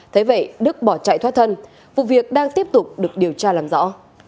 thế vậy đức bỏ chạy thoát thân vụ việc đang tiếp tục được điều tra làm rõ